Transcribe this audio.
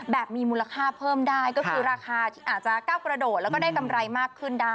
มีมูลค่าเพิ่มได้ก็คือราคาที่อาจจะก้าวกระโดดแล้วก็ได้กำไรมากขึ้นได้